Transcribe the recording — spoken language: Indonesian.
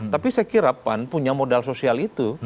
tapi saya kira pan punya modal sosial itu